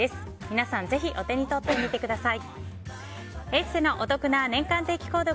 皆さんぜひお手に取ってみてください。